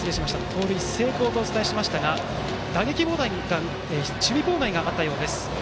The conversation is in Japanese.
盗塁成功とお伝えしましたが守備妨害があったようです。